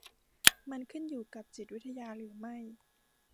มันขึ้นอยู่กับจิตวิทยาหรือไม่ ?